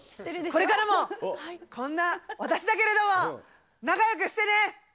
これからもこんな私だけれども、仲よくしてね！